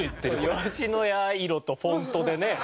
野家色とフォントでね。